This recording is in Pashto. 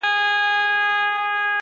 • بيا دي ستني ډيري باندي ښخي کړې؛